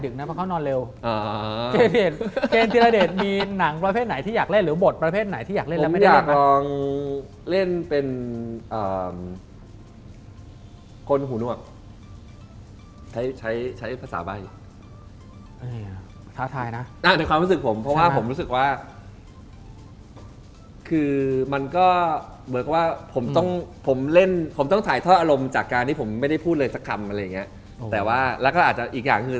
เดี๋ยวอีกพักนึงก็อาจจะ